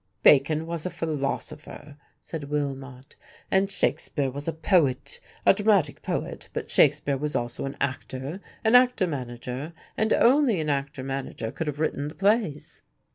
"Bacon was a philosopher," said Willmott, "and Shakespeare was a poet a dramatic poet; but Shakespeare was also an actor, an actor manager, and only an actor manager could have written the plays."